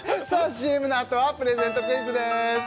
ＣＭのあとはプレゼントクイズです